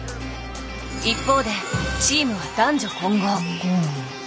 一方でチームは男女混合。